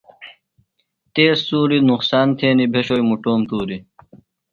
تیز سُوری نقصان تھینیۡ، بھیۡشوئی مُٹوم تُوری